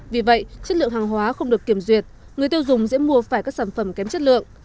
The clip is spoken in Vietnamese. vì vậy chất lượng hàng hóa không được kiểm duyệt người tiêu dùng dễ mua phải các sản phẩm kém chất lượng